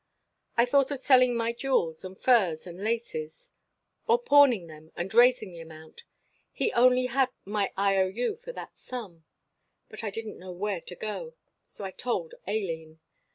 I thought of selling my jewels and furs and laces, or pawning them and raising the amount he only had my I.O.U. for that sum. But I didn't know where to go. So I told Aileen.